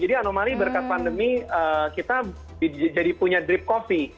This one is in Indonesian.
jadi anomali berkat pandemi kita jadi punya drip coffee